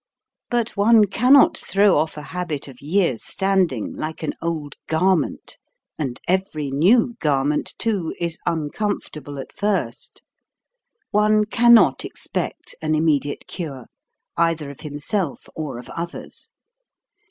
But one cannot throw off a habit of years' standing like an old gar 186 HOW TO 'SING ment ; and every new garment, too, is uncom fortable at first. One cannot expect an imme diate cure, either of himself or of others.